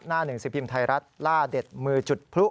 หน้าหนึ่งสิบพิมพ์ไทยรัฐล่าเด็ดมือจุดพลุ